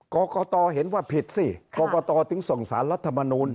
กรกตเห็นว่าผิดสิกรกตถึงส่งสารรัฐมนูล